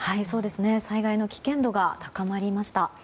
災害の危険度が高まりました。